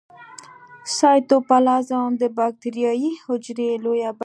سایتوپلازم د باکتریايي حجرې لویه برخه جوړوي.